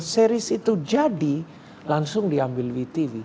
series itu jadi langsung diambil vtv